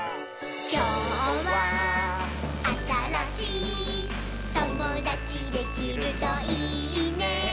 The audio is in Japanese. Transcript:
「きょうはあたらしいともだちできるといいね」